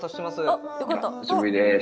あっお久しぶりです。